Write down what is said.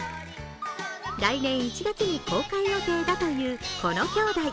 来年１月に公開予定だというこのきょうだい。